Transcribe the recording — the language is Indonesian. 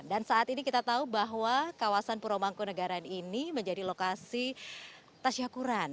dan saat ini kita tahu bahwa kawasan puromangku negara ini menjadi lokasi tasya kuran